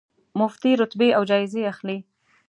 مفتې رتبې او جایزې اخلي.